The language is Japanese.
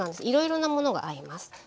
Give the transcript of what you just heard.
いろいろなものが合います。